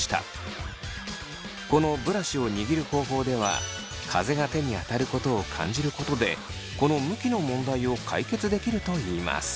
このブラシを握る方法では風が手に当たることを感じることでこの向きの問題を解決できるといいます。